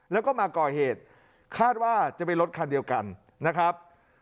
แล้วก็มาก่อเหตุคาดว่าจะเป็นรถคันเดียวกันนะครับ